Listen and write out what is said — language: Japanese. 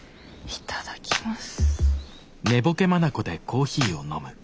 いただきます。